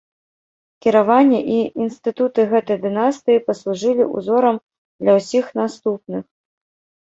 Кіраванне і інстытуты гэтай дынастыі паслужылі ўзорам для ўсіх наступных.